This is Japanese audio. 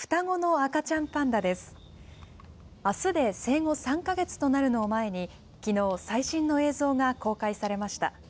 あすで生後３か月となるのを前に、きのう、最新の映像が公開されました。